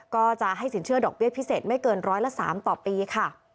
ก็จะให้สินเชื่อดอกเบี้ยพิเศษไม่เกินร้อยละ๓ต่อปีค่ะ